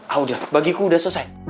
ah udah bagiku sudah selesai